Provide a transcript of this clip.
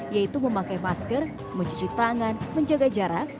yaitu memakai masker mencuci tangan menjaga jarak